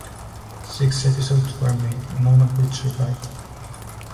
Six episodes were made, none of which survive.